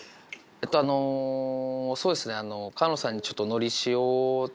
えっとあのそうですね。